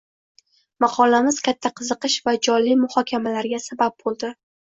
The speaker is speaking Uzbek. maqolamiz katta qiziqish va jonli muhokamalarga sabab bo‘ldi.